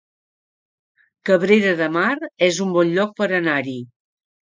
Cabrera de Mar es un bon lloc per anar-hi